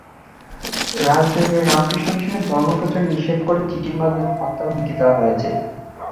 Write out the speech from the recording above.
রাজধানীর রামকৃষ্ণ মিশনে ধর্ম প্রচার নিষেধ করে চিঠির মাধ্যমে হত্যার হুমকি দেওয়া হয়েছে।